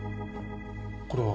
これは？